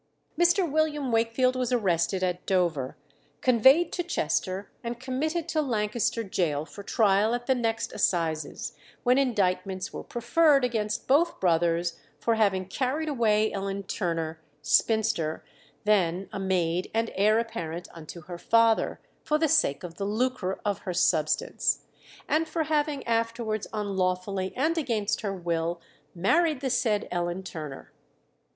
Mr. William Wakefield was arrested at Dover, conveyed to Chester, and committed to Lancaster Gaol for trial at the next assizes, when indictments were preferred against both brothers "for having carried away Ellen Turner, spinster, then a maid and heir apparent unto her father, for the sake of the lucre of her substance; and for having afterwards unlawfully and against her will married the said Ellen Turner."